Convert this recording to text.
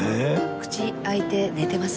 口開いて寝てます。